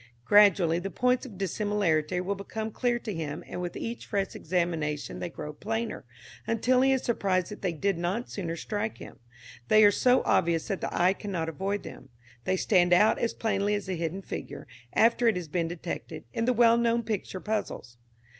Gradually the points of dissimilarity will become clear to him, and with each fresh examination they grow plainer, until he is surprised that they did not sooner strike him; they are so obvious that the eye cannot avoid them; they stand out as plainly as the hidden figure, after it has been detected, in the well known picture puzzles.